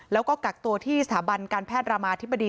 แล้วก็กักตัวที่สถาบันการแพทย์รามาธิบดี